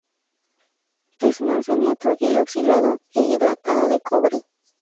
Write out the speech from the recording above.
Es un arseniato hidroxilado e hidratado de cobre.